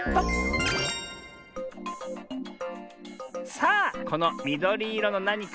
さあこのみどりいろのなにか。